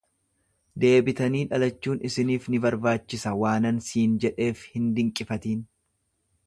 Deebitanii dhalachuun isiniif ni barbaachisa waanan siin jedheef hin dinqifatin.